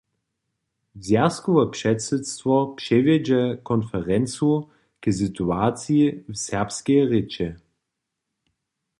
Zwjazkowe předsydstwo přewjedźe konferencu k situaciji serbskeje rěče.